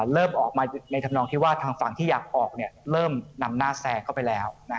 เริ่มออกมาในธรรมนองที่ว่าทางฝั่งที่อยากออกเริ่มนำหน้าแซงเข้าไปแล้ว